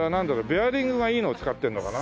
ベアリングがいいのを使ってんのかな？